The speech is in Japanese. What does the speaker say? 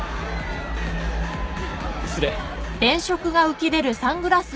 失礼。